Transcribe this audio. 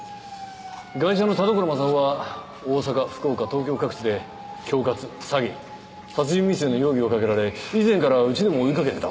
ガイシャの田所柾雄は大阪福岡東京各地で恐喝詐欺殺人未遂の容疑をかけられ以前からうちでも追いかけてた男です。